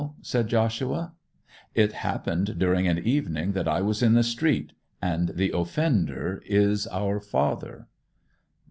said Joshua. 'It happened during an evening that I was in the street; and the offender is our father.